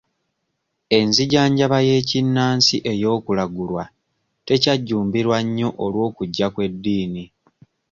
Enzijanjaba y'ekinnansi ey'okulagulwa tekyajjumbirwa nnyo olw'okujja kw'eddiini.